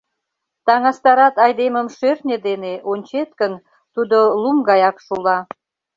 Таҥастарат айдемым шӧртньӧ дене, ончет гын, тудо лум гаяк шула.